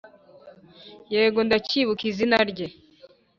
yego ndacyibuka izina rye